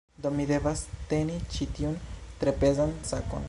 Do, mi devas teni ĉi tiun, tre pezan sakon